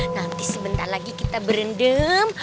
nanti sebentar lagi kita berendam